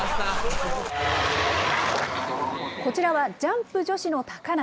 こちらはジャンプ女子の高梨。